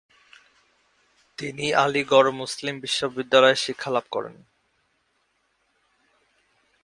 তিনি আলিগড় মুসলিম বিশ্ববিদ্যালয়ে শিক্ষালাভ করেন।